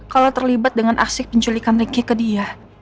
kalau terlibat dengan aksi penculikan ricky ke dia